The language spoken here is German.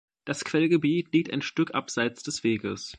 Das Quellgebiet liegt ein Stück abseits des Weges.